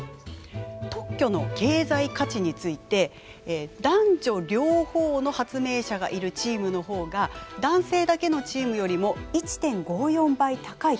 特許の経済価値について男女両方の発明者がいるチームの方が男性だけのチームよりも１．５４倍高いと。